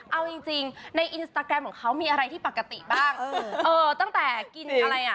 เอาจริงจริงในอินสตาแกรมของเขามีอะไรที่ปกติบ้างเออตั้งแต่กินอะไรอ่ะ